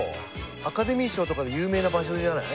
アカデミー賞とかで有名な場所じゃない？